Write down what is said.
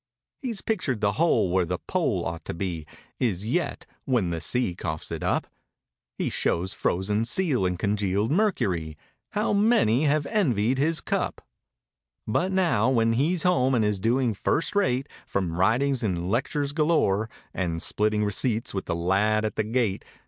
He's pictured the hole where the pole ought to be— Is yet—when the sea coughs it up; He shows frozen seal and congealed mercury— How many have envied his cup! But now when he's home and is doing first rate. From writings and lectures galore. And splitting receipts with the lad at the gate.